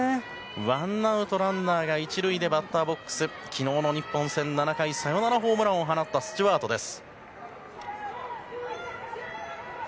ワンアウトランナーが１塁でバッターボックスには昨日の日本戦、７回にサヨナラホームランを放ったスチュワートです。